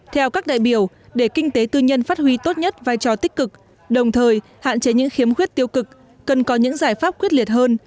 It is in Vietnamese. theo các đại biểu để kinh tế tư nhân phát huy tốt nhất vai trò tích cực đồng thời hạn chế những khiếm khuyết tiêu cực cần có những giải pháp quyết liệt hơn